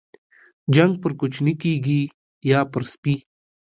جنگ پر کوچني کېږي ، يا پر سپي.